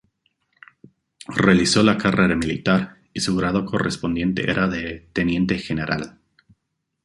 Realizó la carrera militar, y su grado correspondiente era de Teniente General.